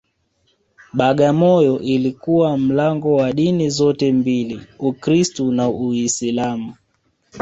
Bagamoyo ilikuwa mlango wa dini zote mbili Ukristu na Uislamu